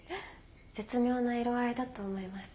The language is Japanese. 絶妙な色合いだと思います。